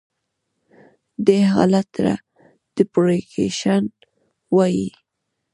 دې حالت ته Depreciation وایي.